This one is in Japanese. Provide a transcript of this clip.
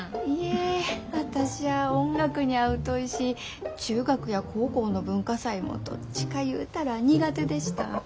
いえ私ゃあ音楽にゃあ疎いし中学や高校の文化祭もどっちか言うたら苦手でした。